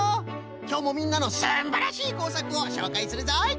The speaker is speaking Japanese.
きょうもみんなのすんばらしいこうさくをしょうかいするぞい！